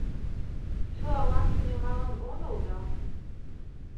Чылалан тунемалын омыл да